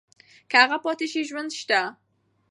که هغه پاتې شي ژوند شته.